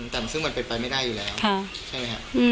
แต่มันเป็นไปไม่ได้อยู่แล้ว